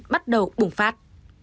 bắt đầu bùng phát